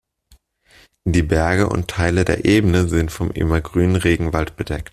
Die Berge und Teile der Ebene sind von immergrünem Regenwald bedeckt.